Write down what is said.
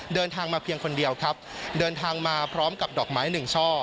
เดินทางมาเพียงคนเดียวครับเดินทางมาพร้อมกับดอกไม้หนึ่งช่อ